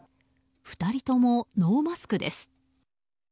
２人ともノーマスクです。